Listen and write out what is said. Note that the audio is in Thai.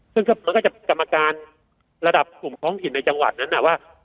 ซึ่งมันก็จะกรรมการระดับกลุ่มท้องถิ่นในจังหวัดนั้นว่า